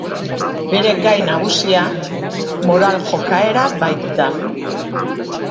Bere gai nagusia moral jokaera baita.